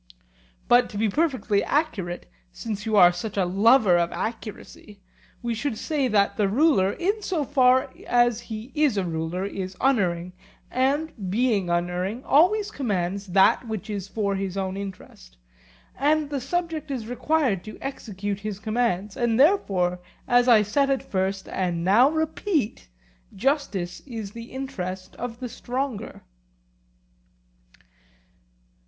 But to be perfectly accurate, since you are such a lover of accuracy, we should say that the ruler, in so far as he is a ruler, is unerring, and, being unerring, always commands that which is for his own interest; and the subject is required to execute his commands; and therefore, as I said at first and now repeat, justice is the interest of the stronger.